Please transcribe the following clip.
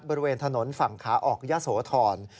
บริเวณถนนฝั่งขาออกยะโสธร